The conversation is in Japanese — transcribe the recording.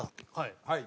はい。